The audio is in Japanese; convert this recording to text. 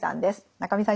中見さん